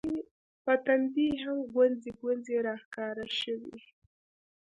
په تندي هم ګونځې ګونځې راښکاره شوې